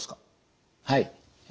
はい。